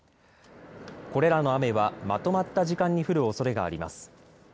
これらの雨はまとまった時間に降るおそれがあります。